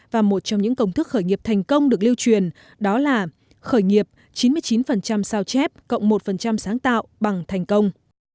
và một trong những công thức khởi nghiệp thành công được lưu truyền đó là khởi nghiệp chín mươi chín sao chép cộng một sáng tạo bằng thành công